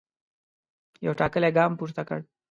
یو ټاکلی ګام پورته کړ.